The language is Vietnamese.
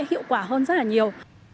hiệu quả hơn rất là nhiều